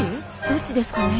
どっちですかね？